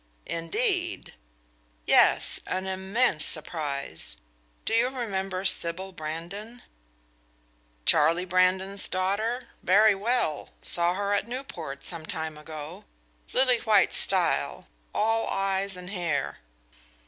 "Indeed?" "Yes, an immense surprise. Do you remember Sybil Brandon?" "Charlie Brandon's daughter? Very well saw her at Newport some time ago. Lily white style all eyes and hair."